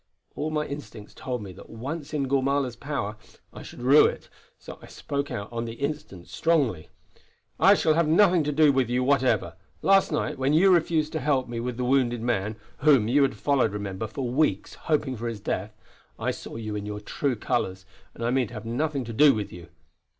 All my instincts told me that once in Gormala's power I should rue it, so I spoke out on the instant strongly: "I shall have nothing to do with you whatever. Last night when you refused to help me with the wounded man whom you had followed, remember, for weeks, hoping for his death I saw you in your true colours; and I mean to have nothing to do with you."